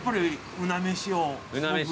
うな飯で。